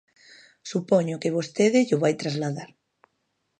Supoño que vostede llo vai trasladar.